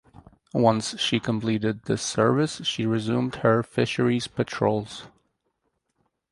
Once she completed this service she resumed her fisheries patrols.